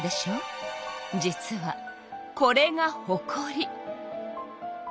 実はこれがほこり。